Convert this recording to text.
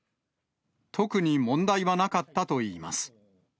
特に問題はなかったといいます。